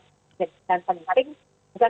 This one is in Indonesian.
tadi masalah protes itu